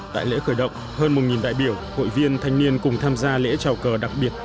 tại lễ khởi động hơn một đại biểu hội viên thanh niên cùng tham gia lễ trào cờ đặc biệt